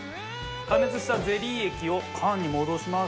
加熱したゼリー液を缶に戻しまして。